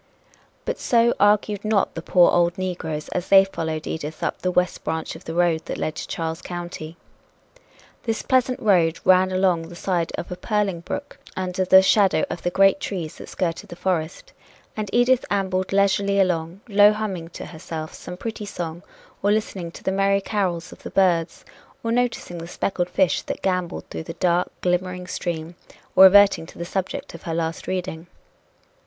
But so argued not the poor old negroes, as they followed Edith up the west branch of the road that led to Charles County. This pleasant road ran along the side of a purling brook under the shadow of the great trees that skirted the forest, and Edith ambled leisurely along, low humming to herself some pretty song or listening to the merry carols of the birds or noticing the speckled fish that gamboled through the dark, glimmering stream or reverting to the subject of her last reading.